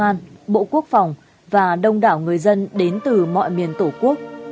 đại diện các đơn vị của bộ công an bộ quốc phòng và đông đảo người dân đến từ mọi miền tổ quốc